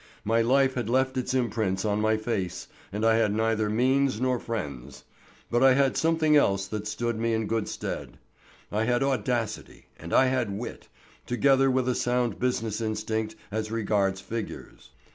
My life had left its imprints on my face, and I had neither means nor friends. But I had something else that stood me in good stead. I had audacity and I had wit, together with a sound business instinct as regards figures.